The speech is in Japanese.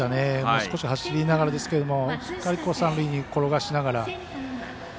少し走りながらですけどしっかり三塁に転がしながら。